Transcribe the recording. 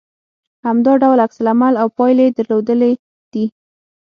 همدا ډول عکس العمل او پايلې يې درلودلې دي